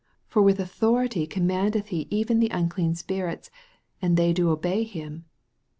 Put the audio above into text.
for with authority commandeth he even the unclean spirits, and they do obey him.